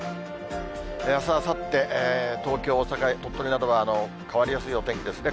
あす、あさって、東京、大阪、鳥取などは変わりやすいお天気ですね。